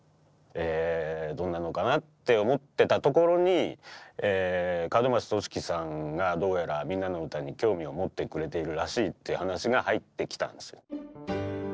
えどんなのかなと思ってたところに角松敏生さんがどうやら「みんなのうた」に興味を持ってくれているらしいっていう話が入ってきたんです。